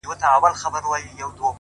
د سکون سرچینه رښتیني درک دی